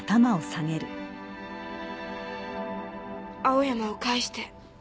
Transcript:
青山を返して。